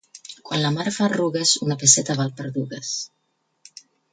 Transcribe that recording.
Quan la mar fa arrugues, una pesseta val per dues.